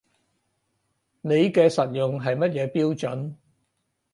你嘅實用係乜嘢標準